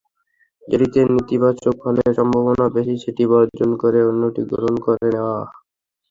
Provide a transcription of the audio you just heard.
যেটিতে নেতিবাচক ফলের সম্ভাবনা বেশি, সেটি বর্জন করে অন্যটি গ্রহণ করে নেওয়া।